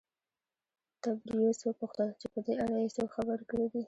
تبریوس وپوښتل چې په دې اړه یې څوک خبر کړي دي